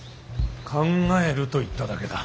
考えると言っただけだ。